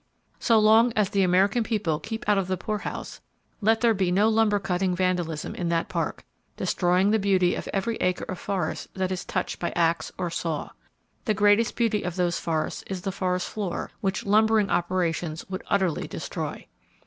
So long as the American people keep out of the poorhouse, let there be no lumber cutting vandalism in that park, destroying the beauty of every acre of forest that is touched by axe or saw. The greatest beauty of those forests is the forest floor, which lumbering operations would utterly destroy.